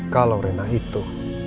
kalau rena itu